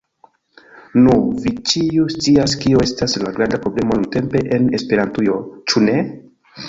Nu, vi ĉiuj scias kio estas la granda problemo nuntempe en Esperantujo, ĉu ne?